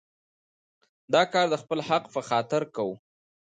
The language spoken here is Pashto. دا کار د خپل حق په خاطر کوو.